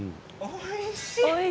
おいしい。